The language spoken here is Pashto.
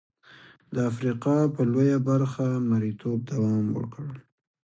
د افریقا په لویه برخه مریتوب دوام وکړ.